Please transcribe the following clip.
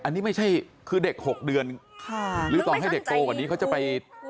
อันนี้ไม่ใช่คือเด็ก๖เดือนหรือต่อให้เด็กโตกว่านี้เขาจะไป